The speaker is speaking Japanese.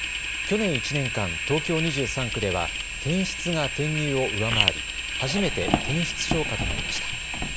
去年１年間、東京２３区では転出が転入を上回り初めて転出超過となりました。